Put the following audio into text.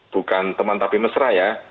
bukan teman tapi mesra ya